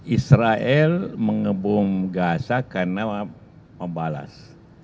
israel mengebung gaza karena membalas